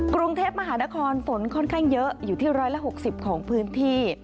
กรุงเทพมหานครฝนค่อนข้างเยอะอยู่ที่๑๖๐ของพื้นที่